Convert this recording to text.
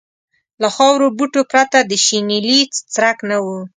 له خارو بوټو پرته د شنیلي څرک نه و.